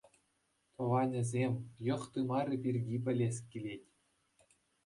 Тӑванӗсем, йӑх-тымарӗ пирки пӗлес килет.